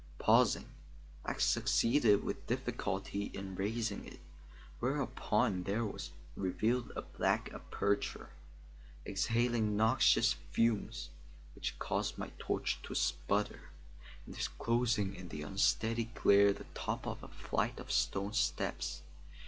Pausing, I succeeded with difficulty in raising it, whereupon there was revealed a black aperture, exhaling noxious fumes which caused my torch to sputter, and disclosing in the unsteady glare the top of a flight of stone steps.